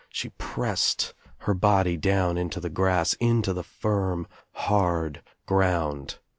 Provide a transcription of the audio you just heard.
She pressed her body down into the grass, into the firm hard ground.